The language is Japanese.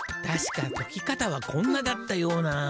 たしかとき方はこんなだったような。